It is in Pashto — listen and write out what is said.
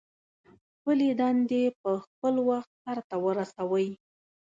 خپلې دندې په خپل وخت سرته ورسوئ.